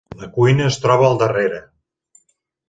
La cuina es troba al darrere.